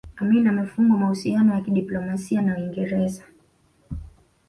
Amin amefungwa mahusiano ya kidiplomasia na Uingereza